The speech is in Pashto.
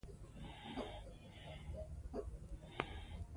ازادي راډیو د سوداګري په اړه د استادانو شننې خپرې کړي.